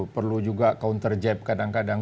perlu juga counter jep kadang kadang